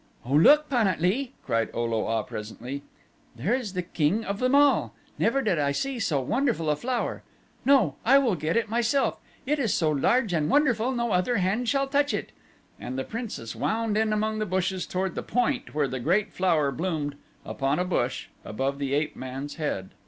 "Oh, look, Pan at lee," cried O lo a presently; "there is the king of them all. Never did I see so wonderful a flower No! I will get it myself it is so large and wonderful no other hand shall touch it," and the princess wound in among the bushes toward the point where the great flower bloomed upon a bush above the ape man's head.